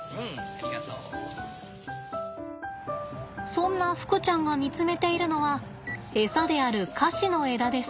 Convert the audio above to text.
そんなふくちゃんが見つめているのはエサであるカシの枝です。